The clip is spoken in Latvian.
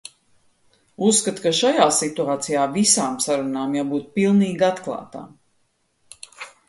Uzskatu, ka šajā situācijā visām sarunām jābūt pilnīgi atklātām.